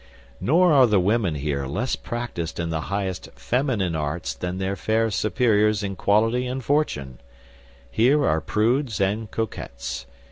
Nor are the women here less practised in the highest feminine arts than their fair superiors in quality and fortune. Here are prudes and coquettes.